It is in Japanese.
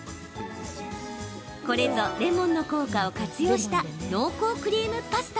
これぞ、レモンの効果を活用した濃厚クリームパスタ。